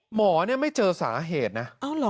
หมอไม่เจอสาเหตุนะ